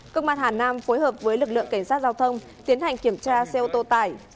công an hà nam phối hợp với lực lượng cảnh sát giao thông tiến hành kiểm tra xe ô tô tải